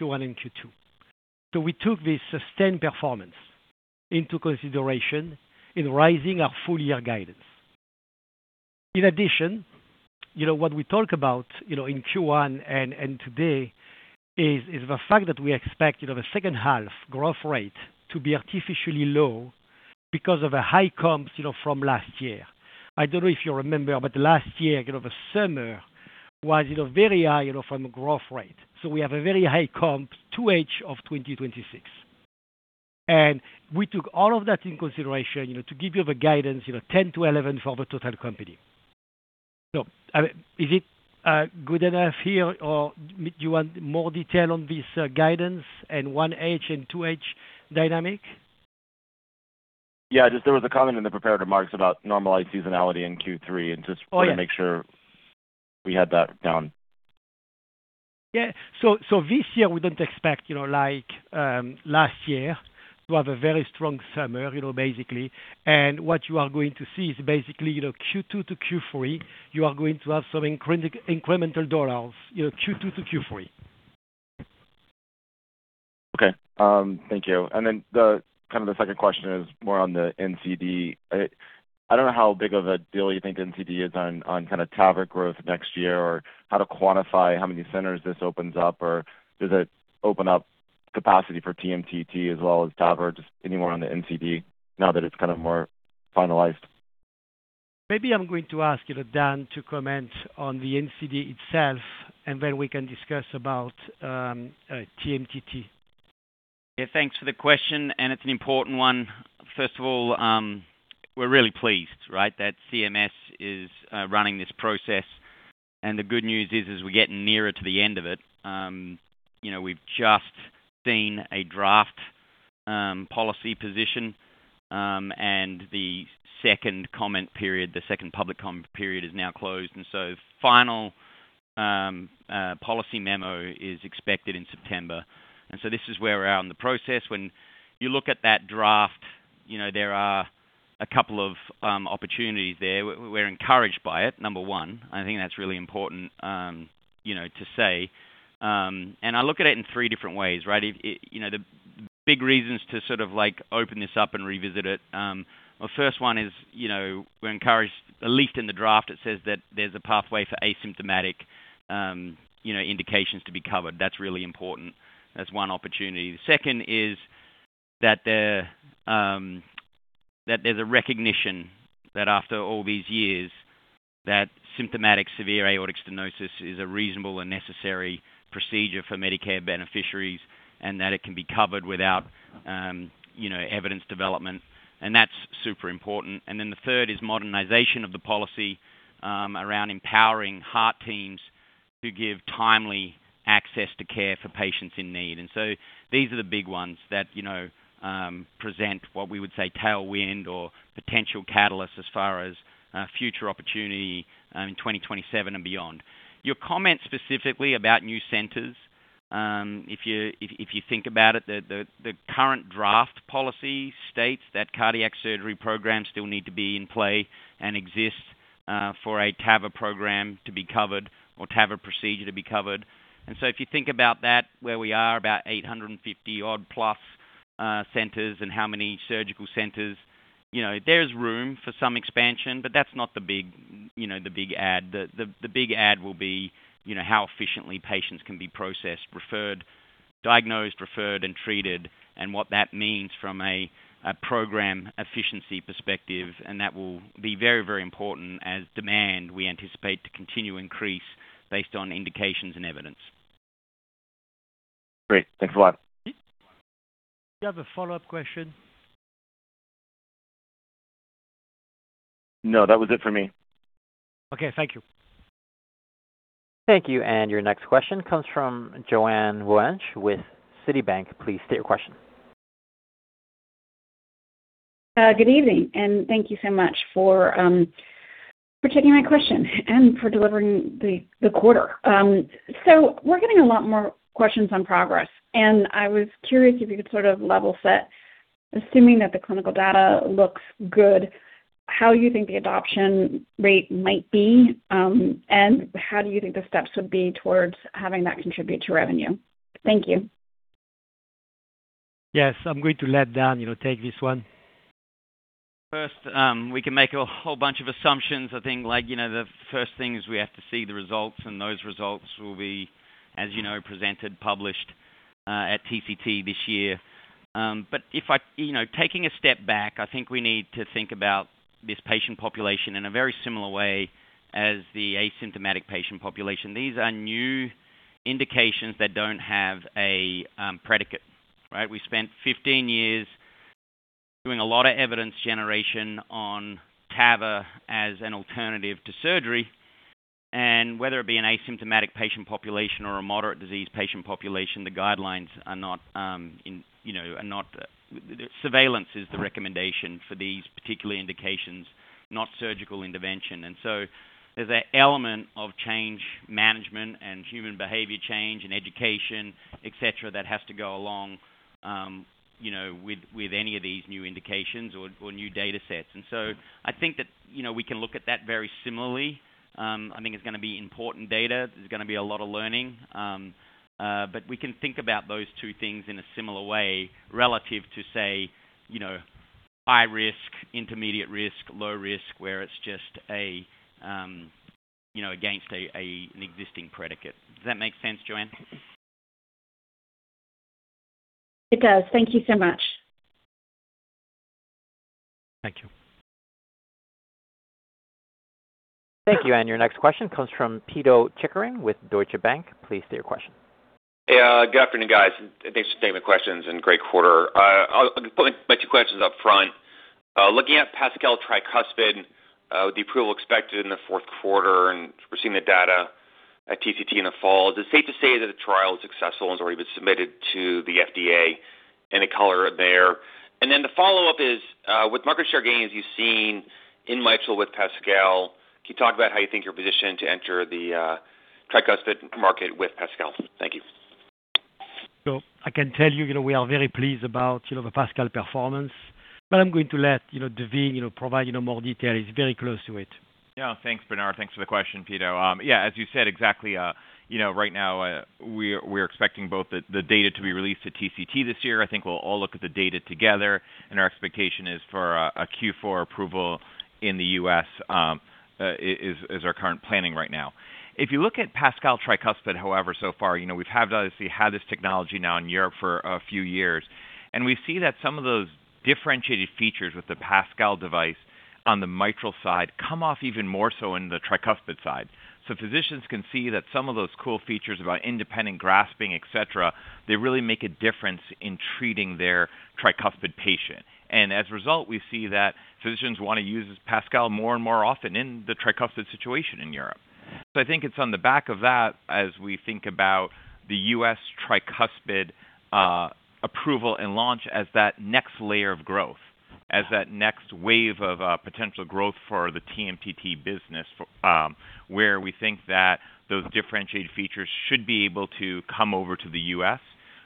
Q1 and Q2. We took this sustained performance into consideration in rising our full year guidance. In addition, what we talk about in Q1 and today is the fact that we expect the second half growth rate to be artificially low because of the high comps from last year. I don't know if you remember, but last year, the summer was very high from growth rate. We have a very high comps to age of 2026. We took all of that into consideration to give you the guidance, 10%-11% for the total company. No. Is it good enough here, or do you want more detail on this guidance and 1H and 2H dynamic? There was a comment in the prepared remarks about normalized seasonality in Q3. Oh, yeah. Wanted to make sure we had that down. This year we don't expect like last year, to have a very strong summer. What you are going to see is Q2 to Q3, you are going to have some incremental dollars, Q2 to Q3. Okay. Thank you. Then the second question is more on the NCD. I don't know how big of a deal you think NCD is on kind of TAVR growth next year, or how to quantify how many centers this opens up, or does it open up capacity for TMTT as well as TAVR, just anywhere on the NCD now that it's kind of more finalized? Maybe I'm going to ask Dan to comment on the NCD itself, then we can discuss about TMTT. Yeah, thanks for the question, it's an important one. First of all, we're really pleased, right? That CMS is running this process, the good news is we're getting nearer to the end of it. We've just seen a draft policy position, the second public comment period is now closed, so final policy memo is expected in September. This is where we're at in the process. When you look at that draft, there are a couple of opportunities there. We're encouraged by it, number one. I think that's really important to say. I look at it in three different ways, right? The big reasons to sort of open this up and revisit it. Well, first one is, we're encouraged, at least in the draft it says that there's a pathway for asymptomatic indications to be covered. That's really important. That's one opportunity. The second is that there's a recognition that after all these years, that symptomatic severe aortic stenosis is a reasonable and necessary procedure for Medicare beneficiaries, that it can be covered without evidence development. That's super important. The third is modernization of the policy, around empowering heart teams to give timely access to care for patients in need. These are the big ones that present what we would say tailwind or potential catalyst as far as future opportunity in 2027 and beyond. Your comment specifically about new centers, if you think about it, the current draft policy states that cardiac surgery programs still need to be in play and exist, for a TAVR program to be covered or TAVR procedure to be covered. If you think about that, where we are, about 850 odd plus centers and how many surgical centers. There's room for some expansion, but that's not the big add. The big add will be how efficiently patients can be processed, referred, diagnosed, referred, and treated, and what that means from a program efficiency perspective, and that will be very, very important as demand we anticipate to continue increase based on indications and evidence. Great. Thanks a lot. Do you have a follow-up question? No, that was it for me. Okay. Thank you. Thank you. Your next question comes from Joanne Wuensch with Citibank. Please state your question. Good evening, thank you so much for taking my question and for delivering the quarter. We're getting a lot more questions on PROGRESS. I was curious if you could sort of level-set, assuming that the clinical data looks good, how you think the adoption rate might be, and how do you think the steps would be towards having that contribute to revenue? Thank you. Yes. I'm going to let Dan take this one. First, we can make a whole bunch of assumptions. I think the first thing is we have to see the results, and those results will be, as you know, presented, published, at TCT this year. Taking a step back, I think we need to think about this patient population in a very similar way as the asymptomatic patient population. These are new indications that don't have a predicate. Right? We spent 15 years doing a lot of evidence generation on TAVR as an alternative to surgery. Whether it be an asymptomatic patient population or a moderate disease patient population, the guidelines, surveillance is the recommendation for these particular indications, not surgical intervention. There's that element of change management and human behavior change and education, et cetera, that has to go along with any of these new indications or new data sets. I think that we can look at that very similarly. I think it's going to be important data. There's going to be a lot of learning. We can think about those two things in a similar way relative to, say, high risk, intermediate risk, low risk, where it's just against an existing predicate. Does that make sense, Joanne? It does. Thank you so much. Thank you. Thank you. Your next question comes from Pito Chickering with Deutsche Bank. Please state your question. Yeah. Good afternoon, guys. Thanks for taking the questions, and great quarter. I'll put my two questions up front. Looking at PASCAL tricuspid, with the approval expected in the fourth quarter, and we're seeing the data at TCT in the fall, is it safe to say that the trial was successful and has already been submitted to the FDA? Any color there? The follow-up is, with market share gains you've seen in mitral with PASCAL, can you talk about how you think you're positioned to enter the tricuspid market with PASCAL? Thank you. I can tell you, we are very pleased about the PASCAL performance. I'm going to let Daveen provide more detail. He's very close to it. Yeah. Thanks, Bernard. Thanks for the question, Pito. Yeah, as you said, exactly, right now we're expecting both the data to be released at TCT this year. I think we'll all look at the data together, and our expectation is for a Q4 approval in the U.S., is our current planning right now. If you look at PASCAL tricuspid, however, so far, we've obviously had this technology now in Europe for a few years, and we see that some of those differentiated features with the PASCAL device on the mitral side come off even more so in the tricuspid side. Physicians can see that some of those cool features about independent grasping, et cetera, they really make a difference in treating their tricuspid patient. As a result, we see that physicians want to use PASCAL more and more often in the tricuspid situation in Europe. I think it's on the back of that as we think about the U.S. tricuspid approval and launch as that next layer of growth, as that next wave of potential growth for the TMTT business, where we think that those differentiated features should be able to come over to the U.S.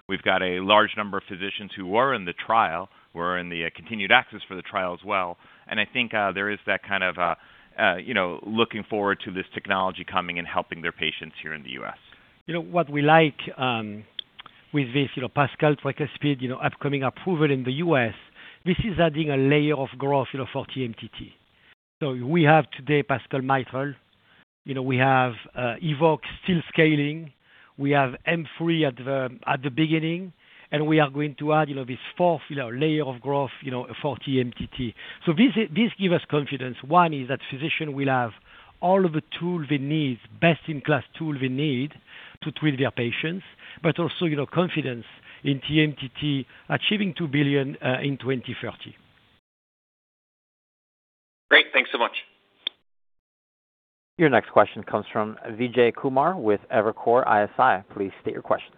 We've got a large number of physicians who were in the trial, who are in the continued access for the trial as well, and I think there is that kind of looking forward to this technology coming and helping their patients here in the U.S. What we like with this PASCAL Tricuspid upcoming approval in the U.S., this is adding a layer of growth for TMTT. We have today PASCAL mitral. We have EVOQUE still scaling. We have M3 at the beginning, and we are going to add this fourth layer of growth for TMTT. This give us confidence. One is that physician will have all of the tool they need, best-in-class tool they need to treat their patients, but also confidence in TMTT achieving $2 billion in 2030. Great. Thanks so much. Your next question comes from Vijay Kumar with Evercore ISI. Please state your question.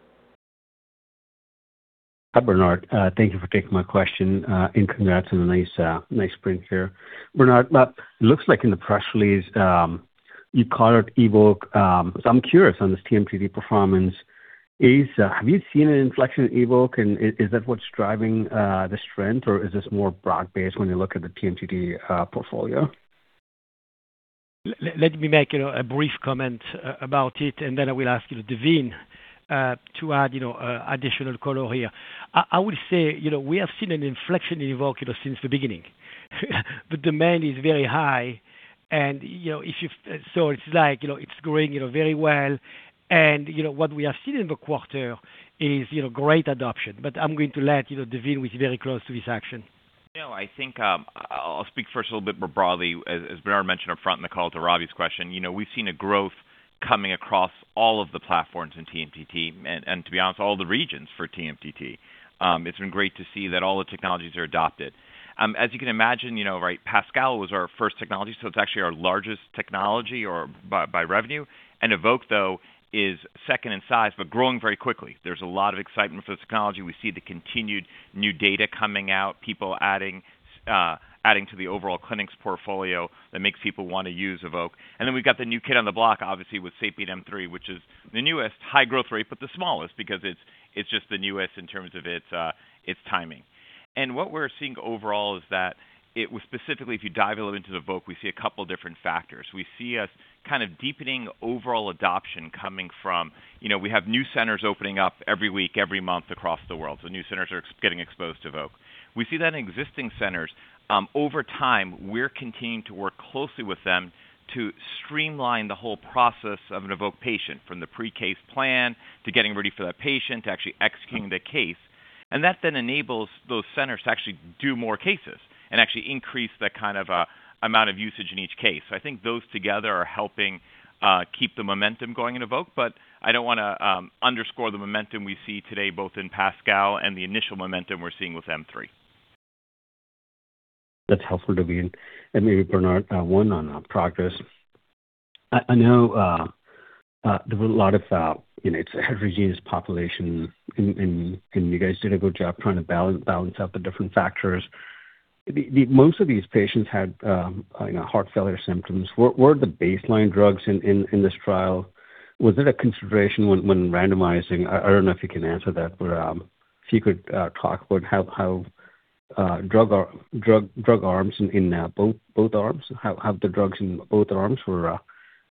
Hi, Bernard. Thank you for taking my question. Congrats on the nice sprint here. Bernard, it looks like in the press release, you called out EVOQUE. I'm curious on this TMTT performance. Have you seen an inflection in EVOQUE, and is that what's driving the strength, or is this more broad-based when you look at the TMTT portfolio? Let me make a brief comment about it, and then I will ask Daveen to add additional color here. I would say we have seen an inflection in EVOQUE since the beginning. The demand is very high, and so it's growing very well. What we have seen in the quarter is great adoption. I'm going to let Daveen, who is very close to this action. I think I'll speak first a little bit more broadly. As Bernard mentioned upfront in the call to Robbie's question, we've seen a growth coming across all of the platforms in TMTT and, to be honest, all the regions for TMTT. It's been great to see that all the technologies are adopted. As you can imagine, PASCAL was our first technology, so it's actually our largest technology by revenue. EVOQUE, though, is second in size, but growing very quickly. There's a lot of excitement for the technology. We see the continued new data coming out, people adding to the overall clinics portfolio that makes people want to use EVOQUE. We've got the new kid on the block, obviously, with SAPIEN M3, which is the newest, high growth rate, but the smallest because it's just the newest in terms of its timing. What we're seeing overall is that it was specifically, if you dive a little bit into EVOQUE, we see a couple different factors. We see a kind of deepening overall adoption coming from, we have new centers opening up every week, every month across the world. New centers are getting exposed to EVOQUE. We see that in existing centers. Over time, we're continuing to work closely with them to streamline the whole process of an EVOQUE patient, from the pre-case plan to getting ready for that patient to actually executing the case. That then enables those centers to actually do more cases and actually increase the kind of amount of usage in each case. I think those together are helping keep the momentum going in EVOQUE, but I don't want to underscore the momentum we see today, both in PASCAL and the initial momentum we're seeing with M3. That's helpful, Daveen. Maybe Bernard, one on PROGRESS. I know there were a lot of heterogeneous population, and you guys did a good job trying to balance out the different factors. Most of these patients had heart failure symptoms. What were the baseline drugs in this trial? Was it a consideration when randomizing? I don't know if you can answer that, but if you could talk about how drug arms in both arms, how the drugs in both arms were,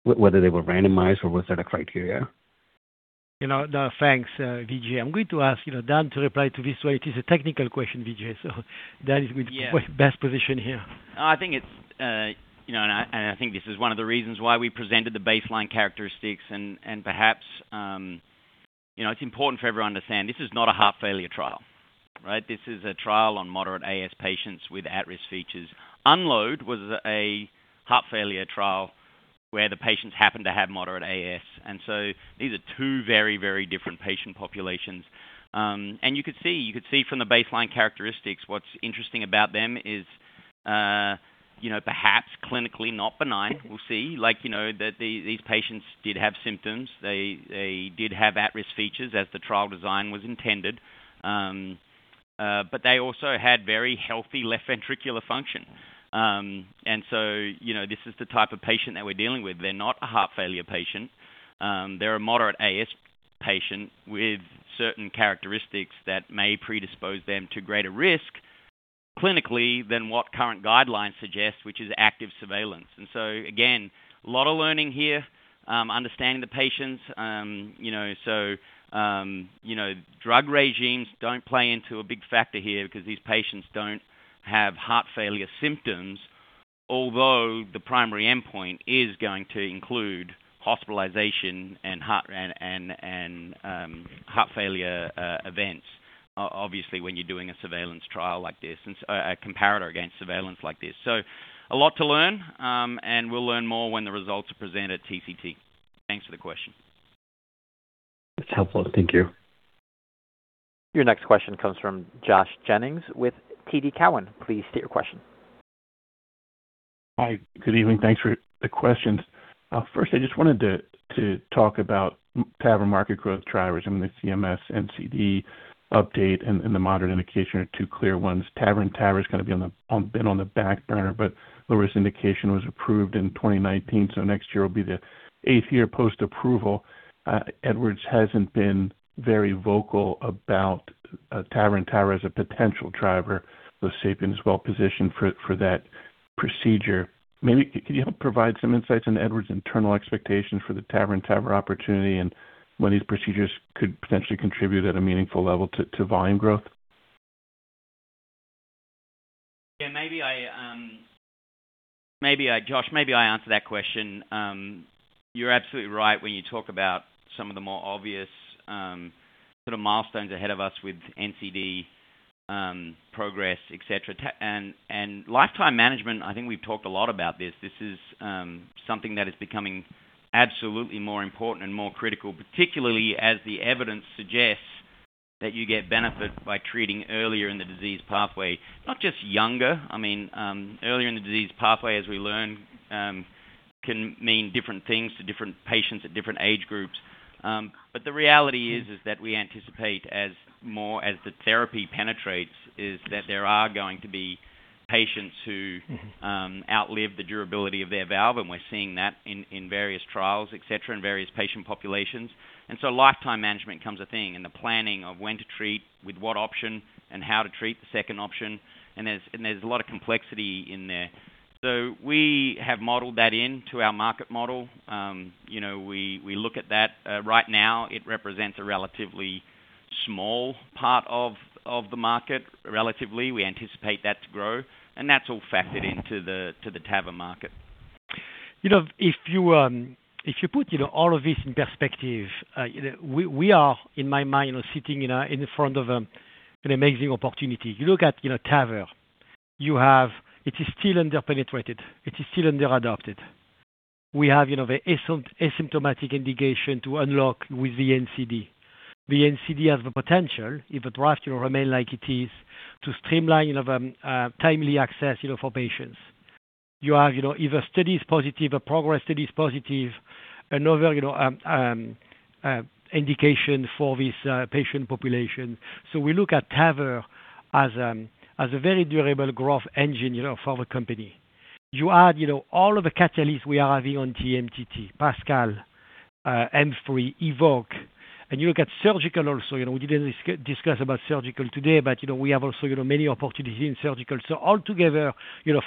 whether they were randomized or was that a criteria? Thanks, Vijay. I'm going to ask Dan to reply to this one. It is a technical question, Vijay. Dan is. Yeah. Best positioned here. I think this is one of the reasons why we presented the baseline characteristics and perhaps it's important for everyone to understand, this is not a heart failure trial. Right. This is a trial on moderate AS patients with at-risk features. UNLOAD was a heart failure trial where the patients happened to have moderate AS. These are two very different patient populations. You could see from the baseline characteristics, what's interesting about them is perhaps clinically not benign. We'll see. These patients did have symptoms. They did have at-risk features as the trial design was intended. They also had very healthy left ventricular function. This is the type of patient that we're dealing with. They're not a heart failure patient. They're a moderate AS patient with certain characteristics that may predispose them to greater risk clinically than what current guidelines suggest, which is active surveillance. Again, a lot of learning here, understanding the patients. Drug regimes don't play into a big factor here because these patients don't have heart failure symptoms, although the primary endpoint is going to include hospitalization and heart failure events, obviously, when you're doing a comparator against surveillance like this. A lot to learn. We'll learn more when the results are presented at TCT. Thanks for the question. That's helpful. Thank you. Your next question comes from Josh Jennings with TD Cowen. Please state your question. Hi. Good evening. Thanks for the questions. First, I just wanted to talk about TAVR market growth drivers. I mean, the CMS NCD update and the low-risk indication are two clear ones. TAVR in TAVR has kind of been on the back burner, but low-risk indication was approved in 2019, so next year will be the eighth year post-approval. Edwards hasn't been very vocal about TAVR in TAVR as a potential driver. The SAPIEN is well-positioned for that procedure. Maybe, could you help provide some insights on Edwards' internal expectations for the TAVR opportunity and when these procedures could potentially contribute at a meaningful level to volume growth? Yeah, Josh, maybe I answered that question. You're absolutely right when you talk about some of the more obvious sort of milestones ahead of us with NCD progress, et cetera. Lifetime management, I think we've talked a lot about this. This is something that is becoming absolutely more important and more critical, particularly as the evidence suggests that you get benefit by treating earlier in the disease pathway. Not just younger. Earlier in the disease pathway, as we learn, can mean different things to different patients at different age groups. The reality is that we anticipate as the therapy penetrates, is that there are going to be patients who- Who outlive the durability of their valve, and we're seeing that in various trials, et cetera, and various patient populations. Lifetime management becomes a thing, and the planning of when to treat, with what option, and how to treat the second option, and there's a lot of complexity in there. We have modeled that in to our market model. We look at that. Right now it represents a relatively small part of the market, relatively. We anticipate that to grow, and that's all factored into the TAVR market. If you put all of this in perspective, we are, in my mind, sitting in front of an amazing opportunity. You look at TAVR. It is still under-penetrated. It is still under-adopted. We have the asymptomatic indication to unlock with the NCD. The NCD has the potential, if the draft remain like it is, to streamline timely access for patients. If a study is positive, a PROGRESS study is positive, another indication for this patient population. We look at TAVR as a very durable growth engine for the company. You add all of the catalysts we are having on TMTT, PASCAL, M3, EVOQUE, and you look at surgical also. We didn't discuss about surgical today, but we have also many opportunities in surgical. Altogether,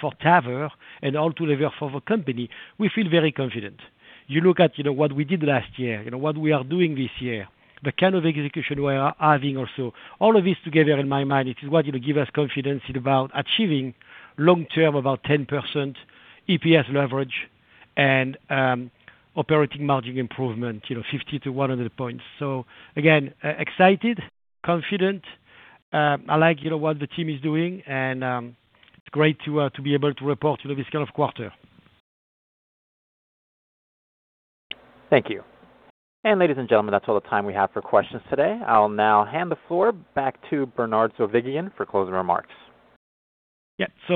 for TAVR, and altogether for the company, we feel very confident. You look at what we did last year, what we are doing this year, the kind of execution we are having also. All of this together, in my mind, it is what give us confidence about achieving long-term, about 10% EPS leverage and operating margin improvement, 50-100 points. Again, excited, confident. I like what the team is doing, and it's great to be able to report this kind of quarter. Thank you. Ladies and gentlemen, that's all the time we have for questions today. I'll now hand the floor back to Bernard Zovighian for closing remarks.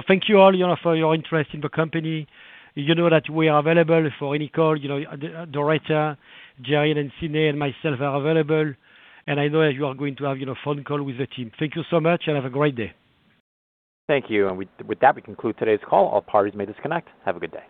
Thank you all for your interest in the company. You know that we are available for any call. Doretta, Jared, and Sydney, and myself are available. I know that you are going to have phone call with the team. Thank you so much, and have a great day. Thank you. With that, we conclude today's call. All parties may disconnect. Have a good day.